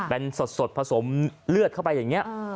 เป็นสดผสมเลือดเข้าไปอย่างนี้